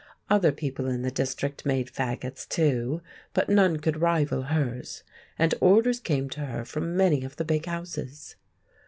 Other people in the district made faggots, too, but none could rival hers, and orders came to her from many of the big houses.